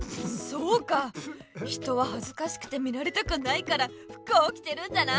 そうか人ははずかしくて見られたくないからふくをきてるんだな。